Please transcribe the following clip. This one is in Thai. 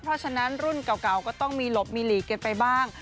เพราะฉะนั้นรุ่นเก่าก็ต้องมีหลบมีหลีกกันไปบ้าง